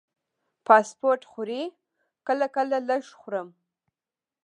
فاسټ فوډ خورئ؟ کله کله، لږ خورم